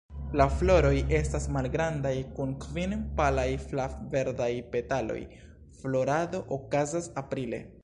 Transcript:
La floroj estas malgrandaj, kun kvin palaj flav-verdaj petaloj; florado okazas aprile.